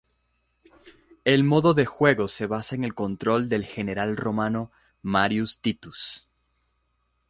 El modo de juego se basa en el control del general romano Marius Titus.